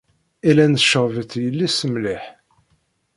Helen tceɣɣeb-itt yelli-s mliḥ.